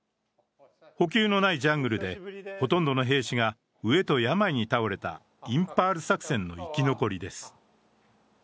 補給のないジャングルでほとんどの兵士が飢えと病に倒れたインパール作戦の生き残りです。